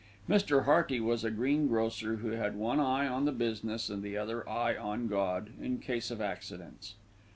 Mr. Hearty was a greengrocer who had one eye on business and the other eye on God, in case of accidents.